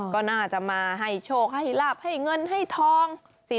ก็น่าจะมาให้โชคให้ลาบให้เงินให้ทอง